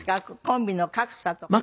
コンビの格差とか。